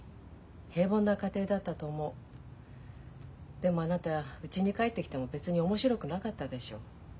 でもあなたうちに帰ってきても別に面白くなかったでしょ。